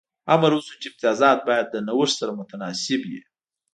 امر وشو چې امتیازات باید له نوښت سره متناسب وي.